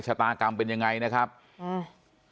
ชะตากรรมเป็นยังไงนะครับอืม